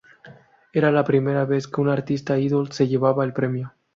Era la primera vez que un artista "idol" se llevaba el premio.